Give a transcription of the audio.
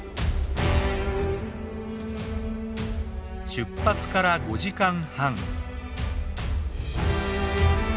出発から５時間半。